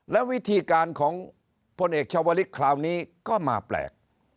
และวิธีการของพลเอกชาวลิศคราวนี้ก็มาแปลก